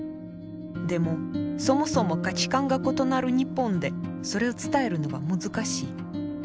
でもそもそも価値観が異なる日本でそれを伝えるのは難しい。